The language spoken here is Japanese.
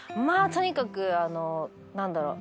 とにかく何だろう？